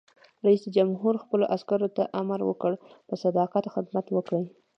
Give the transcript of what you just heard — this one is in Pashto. رئیس جمهور خپلو عسکرو ته امر وکړ؛ په صداقت خدمت وکړئ!